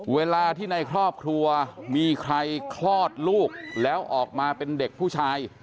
เวลาที่ในครอบครัวมีใครคลอดลูกแล้วออกมาเป็นเด็กผู้ชาย